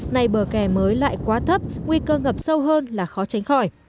nay bờ kè mới lại quá thấp nguy cơ ngập sâu hơn là khó tránh khỏi